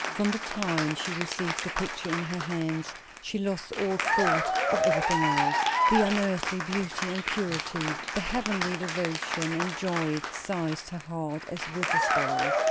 From the time she received the picture in her hands she lost all thought of everything else. The unearthly beauty and purity, the heavenly devotion and joy, seized her heart as with a spell.